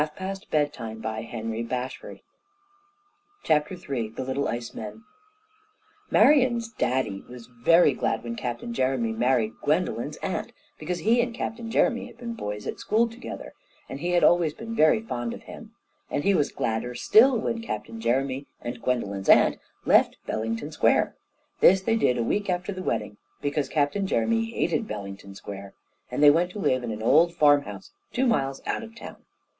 THE LITTLE ICE MEN [Illustration: Cuthbert and Doris] III THE LITTLE ICE MEN Marian's daddy was very glad when Captain Jeremy married Gwendolen's aunt, because he and Captain Jeremy had been boys at school together, and he had always been very fond of him; and he was gladder still when Captain Jeremy and Gwendolen's aunt left Bellington Square. This they did a week after the wedding, because Captain Jeremy hated Bellington Square; and they went to live in an old farmhouse, two miles out of the town.